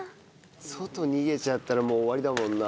外逃げちゃったらもう終わりだもんな。